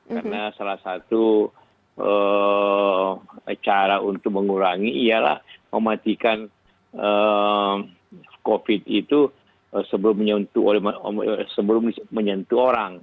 karena salah satu cara untuk mengurangi ialah mematikan covid itu sebelum menyentuh orang